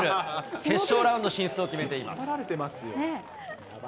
決勝ラウンド進出を決めています。